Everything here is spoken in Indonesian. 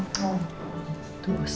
kita semua ngebayar